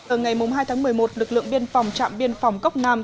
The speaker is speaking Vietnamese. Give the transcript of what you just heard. ở ngày hai một mươi một lực lượng biên phòng trạm biên phòng cốc nguyên